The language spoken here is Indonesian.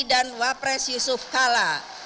dan wapres yusuf kalla